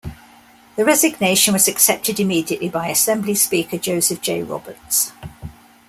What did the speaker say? The resignation was accepted immediately by Assembly Speaker Joseph J. Roberts.